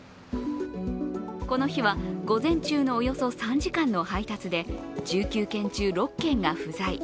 この日は午前中のおよそ３時間の配達で１９件中６件が不在。